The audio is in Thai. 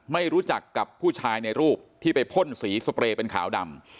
ไม่รู้จักกับผู้ชายในรูปที่ไปพ่นสีสเปรย์เป็นขาวดำ